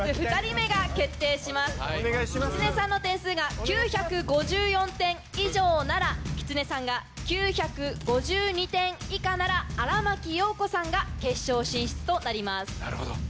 きつねさんの点数が９５４点以上ならきつねさんが９５２点以下なら荒牧陽子さんが決勝進出となります。